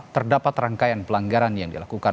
terdapat rangkaian pelanggaran yang dilakukan